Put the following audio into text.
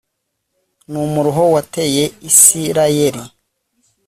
numuruho wateye Isirayeli